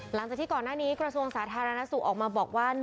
หลังจากที่ก่อนหน้านี้กระทรวงสาธารณสุขออกมาบอกว่า